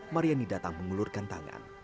maryani datang mengulurkan tangan